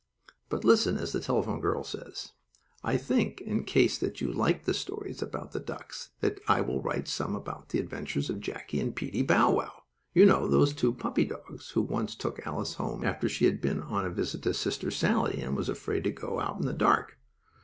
But, listen, as the telephone girl says; I think, in case that you liked the stories about the ducks, that I will write something about the adventures of Jackie and Peetie Bow Wow; you know, those two puppy dogs who once took Alice home after she had been on a visit to Sister Sallie, and was afraid to go out in the dark.